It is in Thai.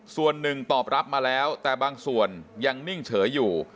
ส่วนหนึ่งตอบรับมาแล้วแต่บางส่วนยังนิ่งเฉยอยู่